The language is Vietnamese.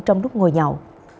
trong đúc ngồi nhậu